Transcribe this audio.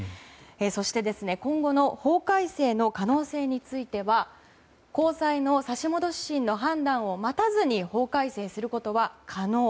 そして、今後の法改正の可能性については高裁の差し戻し審の判断を待たずに法改正することは可能。